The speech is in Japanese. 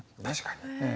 確かに。